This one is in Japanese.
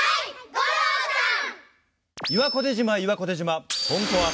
吾郎さん。